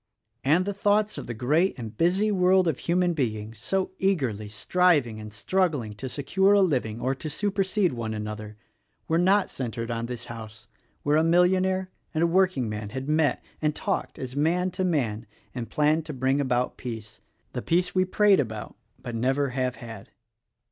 And the thoughts of the great and busy world of human beings so eagerly striving and struggling to secure a living or to supersede one another, were not centered on this house where a millionaire and a workingman had met and talked as man to man and planned to bring about peace — the Peace we prate about but never have had.